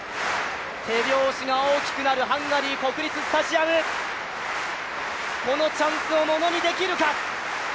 手拍子が大きくなるハンガリー国立スタジアム、このチャンスをものにできるか？